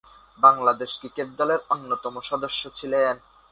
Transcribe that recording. Bangladesh cricket দলের অন্যতম সদস্য ছিলেন।